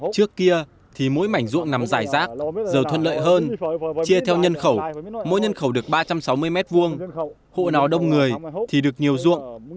trước kia thì mỗi mảnh ruộng nằm dài rác giờ thuận lợi hơn chia theo nhân khẩu mỗi nhân khẩu được ba trăm sáu mươi m hai hộ nào đông người thì được nhiều ruộng